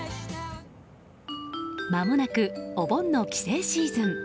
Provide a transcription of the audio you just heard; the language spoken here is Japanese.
まもなくお盆の帰省シーズン。